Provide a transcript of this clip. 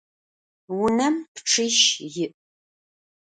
Vunem pççiş yi'.